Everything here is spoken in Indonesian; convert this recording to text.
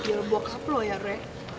gue mau diel bokap lo ya re